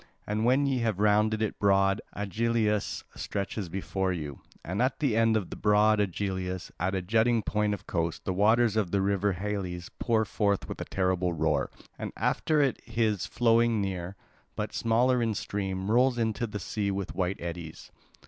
And when ye have rounded it broad Aegialus stretches before you; and at the end of broad Aegialus, at a jutting point of coast, the waters of the river Halys pour forth with a terrible roar; and after it his flowing near, but smaller in stream, rolls into the sea with white eddies.